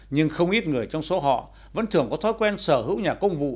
nhưng không ít người trong số họ vẫn thường có thói quen sở hữu nhà công vụ